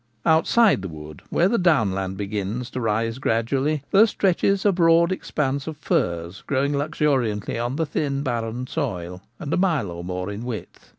Outside the wood, where the downland begins to rise gradually there stretches a broad expanse of furze growing luxuriantly on the thin barren soil, and a mile or more in width.